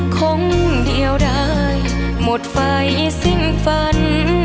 คงเดียวได้หมดไฟสิ้นฝัน